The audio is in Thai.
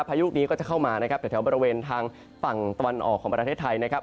พายุลูกนี้ก็จะเข้ามานะครับแถวบริเวณทางฝั่งตะวันออกของประเทศไทยนะครับ